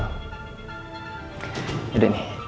udah deh nih